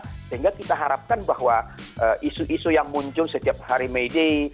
sehingga kita harapkan bahwa isu isu yang muncul setiap hari may day